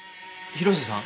広瀬さん！